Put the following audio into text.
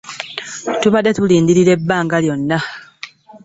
Tubadde tulindirira ebbanga lyonna.